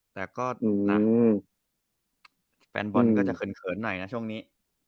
แต่ก็นะแฟนบอลก็จะเขินหน่อยนะช่วงนี้